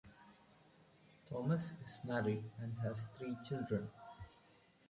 Thomas is married and has three children.